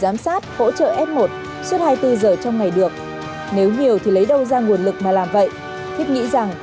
giám sát hỗ trợ f một suốt hai mươi bốn giờ trong ngày được nếu nhiều thì lấy đâu ra nguồn lực mà làm vậy thiết nghĩ rằng